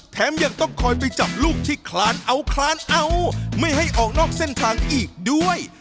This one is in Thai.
แถมยังต้องคอยจะจับลูกที่คลานเอาไม่ให้ออกมาออกเส้นทางอีกด้วย